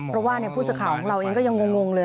เพราะว่าผู้สื่อข่าวของเราเองก็ยังงงเลย